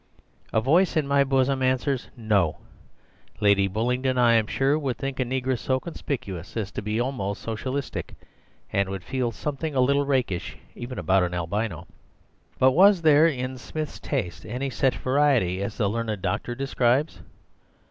A voice in my bosom answers, 'No!' Lady Bullingdon, I am sure, would think a negress so conspicuous as to be almost Socialistic, and would feel something a little rakish even about an albino. "But was there in Smith's taste any such variety as the learned doctor describes?